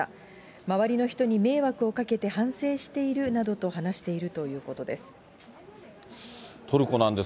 周りの人に迷惑をかけて反省しているなどと話しているということです。